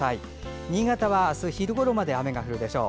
新潟は明日昼ごろまで雨が降るでしょう。